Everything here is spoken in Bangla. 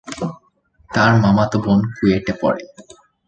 তার মামাতো বোন কুয়েটে পড়ে।